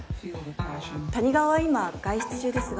谷川は今外出中ですが。